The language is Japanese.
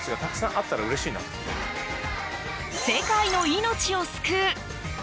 世界の命を救う。